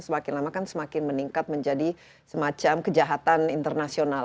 semakin lama kan semakin meningkat menjadi semacam kejahatan internasional